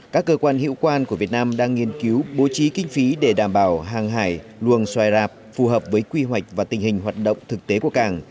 các cơ quan hiệu quan của việt nam đang nghiên cứu bố trí kinh phí để đảm bảo hàng hải luồng xoài rạp phù hợp với quy hoạch và tình hình hoạt động thực tế của cảng